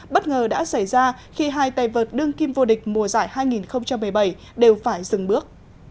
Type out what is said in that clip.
bất ngờ đã xảy ra khi hai tay vợt đương kim vô địch mùa giải hai nghìn một mươi bảy đều phải dừng bước